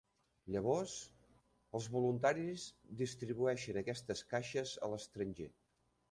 Llavors, els voluntaris distribueixen aquestes caixes a l'estranger.